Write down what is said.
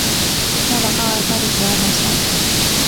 اس ناں علاقہ آر پار ہیکے ہونا سا